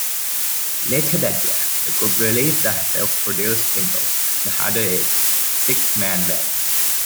Later that year, the group released a self-produced single, the harder-edged "Six Man Band".